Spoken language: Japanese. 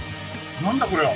何だこれは！？